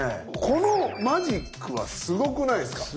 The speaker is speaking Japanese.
このマジックはすごくないですか？